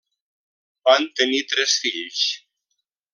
Van tenir tres fills.